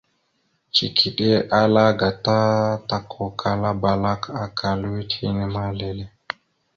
Cikiɗe ala gata takukala balak aka lʉwet hine ma lele.